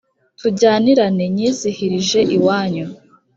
Tujyanirane nyizihirije iwanyu